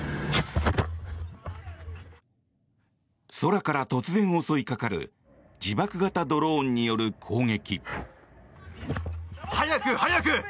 空から突然襲いかかる自爆型ドローンによる攻撃。